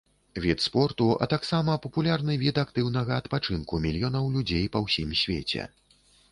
Від спорту, а таксама папулярны від актыўнага адпачынку мільёнаў людзей па ўсім свеце.